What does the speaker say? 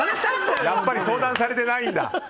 やっぱり相談されてないんだ。